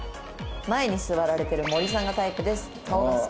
「前に座られている森さんがタイプです」。